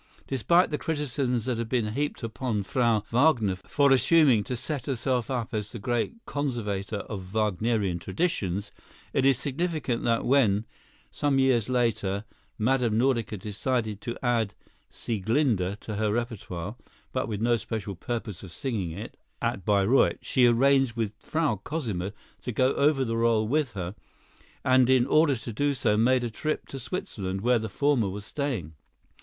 Despite the criticisms that have been heaped upon Frau Wagner for assuming to set herself up as the great conservator of Wagnerian traditions, it is significant that when, some years later, Mme. Nordica decided to add "Sieglinde" to her repertoire, but with no special purpose of singing it at Bayreuth, she arranged with Frau Cosima to go over the rôle with her, and in order to do so made a trip to Switzerland, where the former was staying.